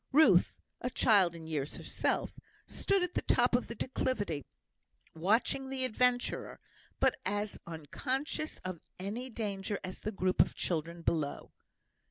Ruth (a child in years herself) stood at the top of the declivity watching the adventurer, but as unconscious of any danger as the group of children below.